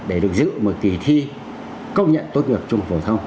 để được dự một kỳ thi công nhận tốt nghiệp trung học phổ thông